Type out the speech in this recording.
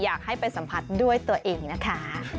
อยากให้ไปสัมผัสด้วยตัวเองนะคะ